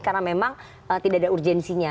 karena memang tidak ada urgensinya